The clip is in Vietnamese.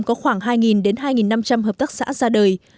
có khoảng hai đến hai năm trăm linh hợp tác xã ra đời